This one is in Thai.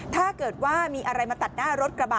ถ้าเกิดว่ามีอะไรมาตัดหน้ารถกระบะ